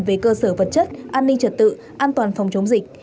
về cơ sở vật chất an ninh trật tự an toàn phòng chống dịch